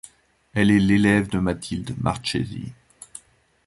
Elle est l'élève de Mathilde Marchesi.